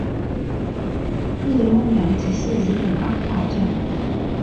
安野梦洋子是日本漫画家。